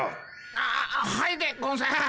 ああはいでゴンス。